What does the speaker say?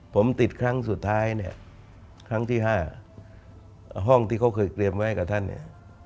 ผมติดครั้งสุดท้ายเนี่ยครั้งที่๕ห้องที่เขาเคยเตรียมไว้กับท่านเนี่ย